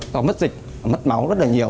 có mất dịch mất máu rất là nhiều